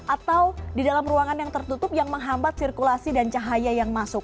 atau di dalam ruangan yang tertutup yang menghambat sirkulasi dan cahaya yang masuk